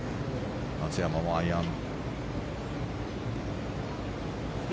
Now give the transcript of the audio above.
松山もアイアン。